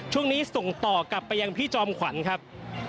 ช่วงนี้ส่งต่อกลับไปยังพี่จอมขวัญครับ